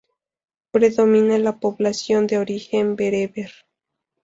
Predomina la población de origen bereber.